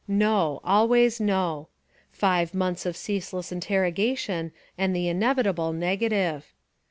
No, always no. Five months of ceaseless interrogation and the Inevitable nega tive.